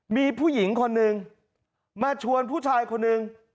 มีผู้หญิงคนนึงมาชวนผู้ชายคนหนึ่ง